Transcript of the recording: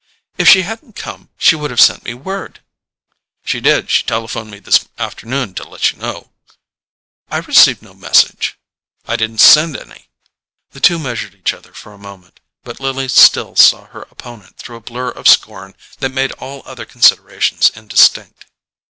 "If she hadn't come she would have sent me word——" "She did; she telephoned me this afternoon to let you know." "I received no message." "I didn't send any." The two measured each other for a moment, but Lily still saw her opponent through a blur of scorn that made all other considerations indistinct.